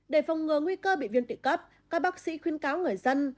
để phòng ngừa nguy cơ bị viêm tụy cấp các bác sĩ khuyên cáo người dân